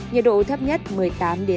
nhiệt độ thấp nhất một mươi tám hai mươi một độ